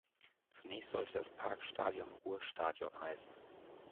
Zunächst sollte das Parkstadion "Ruhrstadion" heißen.